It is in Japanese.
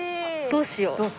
どうしよう。